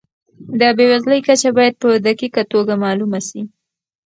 د بېوزلۍ کچه باید په دقیقه توګه معلومه سي.